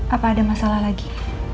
apa ada masalah lagi